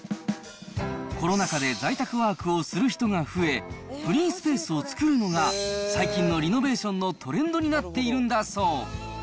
コロナ禍で在宅ワークをする人が増え、フリースペースを作るのが、最近のリノベーションのトレンドになっているんだそう。